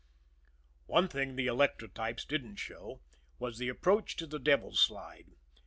One thing the electrotypes didn't show was the approach to the Devil's Slide.